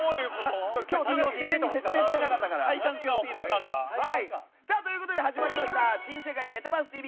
事前に説明してなかったから。ということで始まりました「新世界メタバースＴＶ！！」